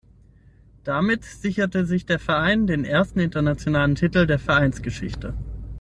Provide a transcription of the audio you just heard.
Damit sicherte sich der Verein den ersten internationalen Titel der Vereinsgeschichte.